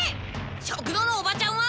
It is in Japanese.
食堂のおばちゃんは。